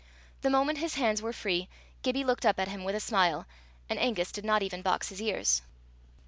The moment his hands were free, Gibbie looked up at him with a smile, and Angus did not even box his ears.